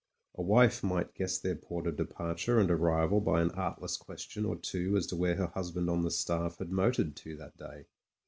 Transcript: A wife might guess their port of departure and arrival by an artless question or two as to where her husband on the Staff had motored to that day.